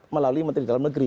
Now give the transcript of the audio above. melalui menteri dalam negeri